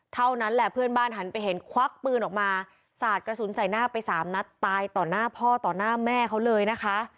เท่านั้นแหละเพื่อนบ้านหันไปเห็นควักปืนออกมาสาดกระสุนใส่หน้าไปสามนัดตายต่อหน้าพ่อต่อหน้าแม่เขาเลยนะคะ